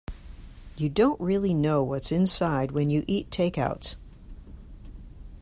You don't really know what's inside when you eat takeouts.